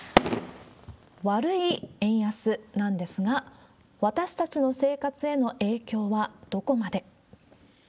悪い円安なんですが、私たちの生活への影響はどこまで。